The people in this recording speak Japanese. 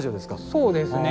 そうですね。